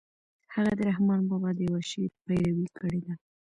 هغه د رحمن بابا د يوه شعر پيروي کړې ده.